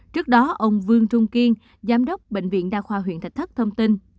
trước đó ông vương trung kiên giám đốc bệnh viện đa khoa huyện thạch thất thông tin